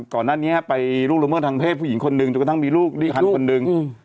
ก่อนนั้นเนี่ยไปลูกละเมืองทางเพศผู้หญิงคนหนึ่งจนกระทั่งมีลูกที่ฮันต์คนหนึ่ง